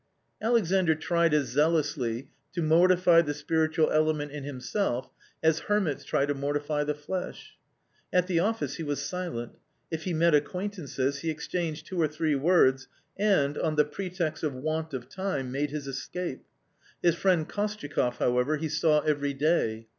Alexandr tried as zealously to mortify the spiritual element in himself as hermits try to mortify the flesh. At the office he was silent ; if he met acquaintances he exchanged two or three words and, on the pretext of want of time, made his escape. His friend Kostyakoff, however, he saw every day.